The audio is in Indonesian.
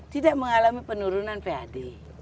tidak mengalami penurunan pad